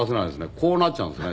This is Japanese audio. こうなっちゃうんですね